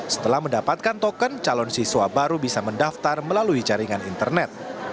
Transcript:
setelah mendapatkan token calon siswa baru bisa mendaftar melalui jaringan internet